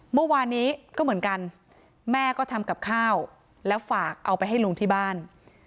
เมื่อวานนี้ก็เหมือนกันแม่ก็ทำกับข้าวแล้วฝากเอาไปให้ลุงที่บ้าน